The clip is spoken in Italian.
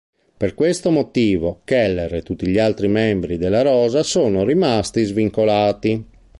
Per questo motivo, Keller e tutti gli altri membri della rosa sono rimasti svincolati.